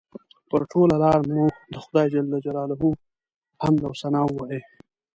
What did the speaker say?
پر ټوله لاره مو د خدای جل جلاله حمد او ثنا ووایه.